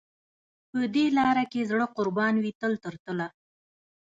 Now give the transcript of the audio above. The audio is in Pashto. په دې لار کې زړه قربان وي تل تر تله.